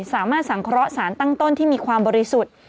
สามารถสังเคราะห์สารตั้งต้นที่มีความบริสุทธิ์